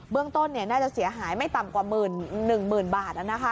เบื้องต้นน่าจะเสียหายไม่ต่ำกว่า๑หมื่นบาท